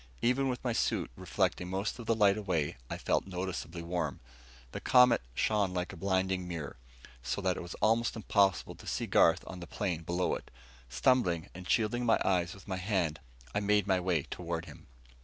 Even with my suit reflecting most of the light away, I felt noticeably warm. The Comet shone like a blinding mirror, so that it was almost impossible to see Garth on the plain below it. Stumbling, and shielding my eyes with my hand, I made my way toward him.